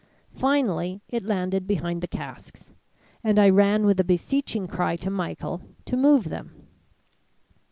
Finally it landed behind the casks, and I ran with a beseeching cry to Michael, to move them.